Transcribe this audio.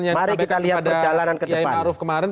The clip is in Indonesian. yang kita lihat pada kiai maruf kemarin